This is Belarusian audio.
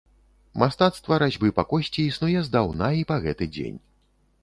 Мастацтва разьбы па косці існуе здаўна і па гэты дзень.